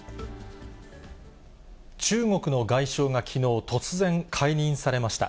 中国の外相がきのう、突然、解任されました。